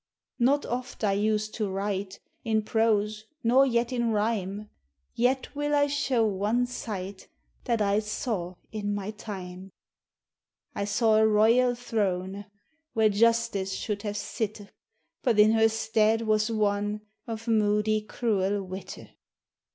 Not oft I use to wright In prose, nor yet in ryme; Yet wil I shewe one sight, That I sawe in my time : I sawe a royal 1 throne, Where Justice shulde have sitte; But in her steade was One Of moody cruel 1 witte.